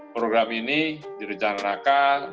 program ini di rencanakan